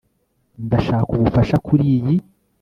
ndashaka ubufasha kuriyi